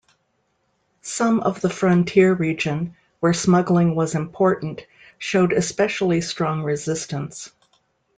Some of the frontier region, where smuggling was important, showed especially strong resistance.